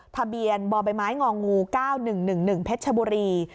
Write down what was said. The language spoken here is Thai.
ทะเบียนบไมง๙๑๑เพชบุรี